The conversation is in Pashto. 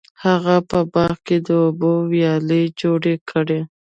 هغه په باغ کې د اوبو ویالې جوړې کړې.